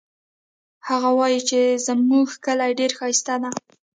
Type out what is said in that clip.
هغه وایي چې زموږ کلی ډېر ښایسته ده